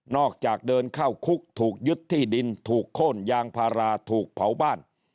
จากเดินเข้าคุกถูกยึดที่ดินถูกโค้นยางพาราถูกเผาบ้าน